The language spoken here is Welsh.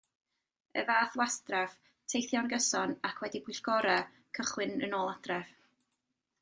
Y fath wastraff, teithio'n gyson ac wedi pwyllgora, cychwyn yn ôl adref.